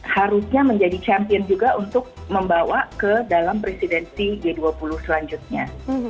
harusnya menjadi champion juga untuk membawa ke dalam presidensi g dua puluh selanjutnya